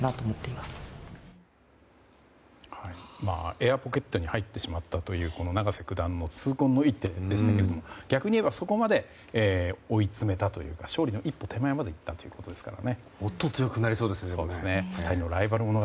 エアポケットに入ってしまったという永瀬九段の痛恨の一手でしたけれども逆に言えばそこまで追い詰めたというか勝利の一歩手前まで行ったということですから。